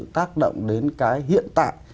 tác động đến cái hiện tại